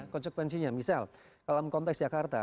konsekuensinya misal dalam konteks jakarta